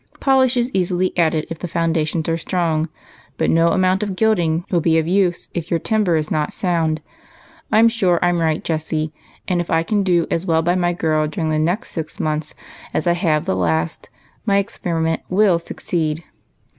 Polish is easily added, if the foundations are strong ; but no amount of gilding will be of use if your timber is not sound. I 'm sure I 'm right, Jessie ; and if I can do as well by my girl dur ing the next six months as I have the last, my experi ment will succeed."